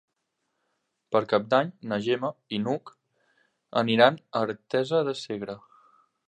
Per Cap d'Any na Gemma i n'Hug aniran a Artesa de Segre.